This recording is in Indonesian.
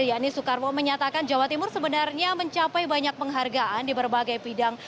yakni soekarno pertama menyatakan jawa timur sebenarnya mencapai banyak penghargaan di berbagai bidang